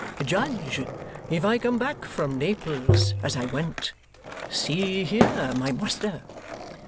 'Judge if I come back from Naples as I went! See here, my master!